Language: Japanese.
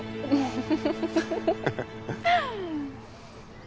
フフフッ。